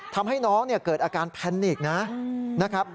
ทำให้น้องเกิดอาการแพนิกนะครับ